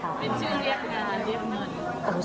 เป็นชื่อเรียกงานเรียกเงิน